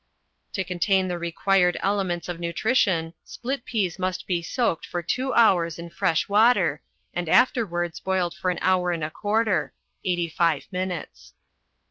To contain the required elements of nutrition split peas must be soaked for two hours in fresh water and afterwards boiled for an hour and a quarter (eighty five minutes).